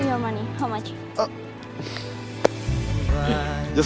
lupa aja aku ga peduli